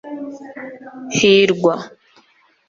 Hirwa